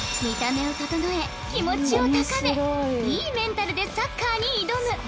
見た目を整え気持ちを高め良いメンタルでサッカーに挑む！